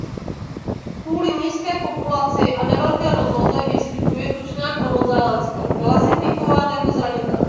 Kvůli nízké populaci a nevelké rozloze výskytu je tučňák novozélandský klasifikován jako zranitelný.